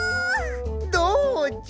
どうじゃ！